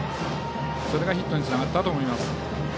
それがヒットにつながったと思います。